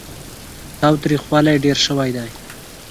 تاوتريخوالی ډېر شوی دی.